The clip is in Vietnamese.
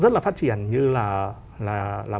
rất là phát triển như là